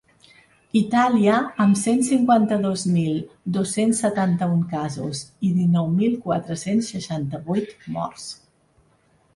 Itàlia, amb cent cinquanta-dos mil dos-cents setanta-un casos i dinou mil quatre-cents seixanta-vuit morts.